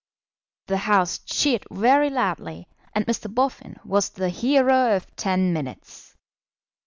The House cheered very loudly, and Mr. Boffin was the hero of ten minutes.